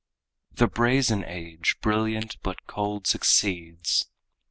The brazen age, brilliant but cold, succeeds.